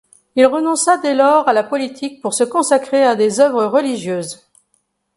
Il renonça dès lors à la politique pour se consacrer à des œuvres religieuses.